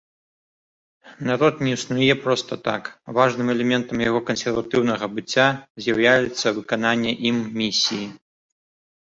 Народ не існуе проста так, важным элементам яго кансерватыўнага быцця з'яўляецца выкананне ім місіі.